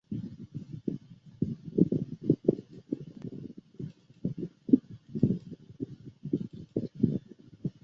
他曾担任瓦赫宁根市议会的成员代表。